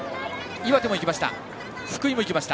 岩手も行きました。